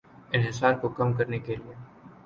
انحصار کو کم کرنے کے لیے